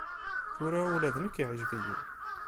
Tura ula d nekk iɛǧeb-iyi.